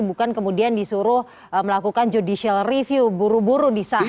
bukan kemudian disuruh melakukan judicial review buru buru disatukan